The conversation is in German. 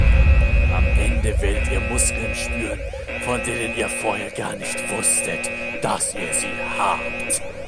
Am Ende werdet ihr Muskeln spüren, von denen ihr vorher gar nicht wusstet, dass ihr sie habt.